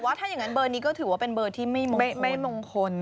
ถ้าอย่างนั้นเบอร์นี้ก็ถือว่าเป็นเบอร์ที่ไม่มงคล